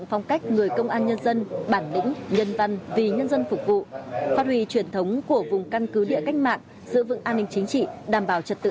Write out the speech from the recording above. phát huy truyền thống của vùng căn cứ địa cách mạng giữ vững an ninh chính trị đảm bảo trật tự